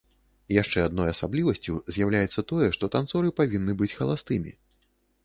Яшчэ адной асаблівасцю з'яўляецца тое, што танцоры павінны быць халастымі.